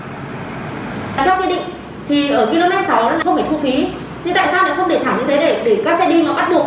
theo quy định thì ở km sáu